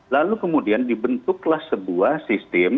lalu kemudian dibentuklah sebuah sistem